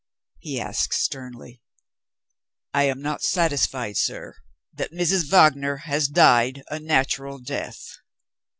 he asked sternly. "I am not satisfied, sir, that Mrs. Wagner has died a natural death.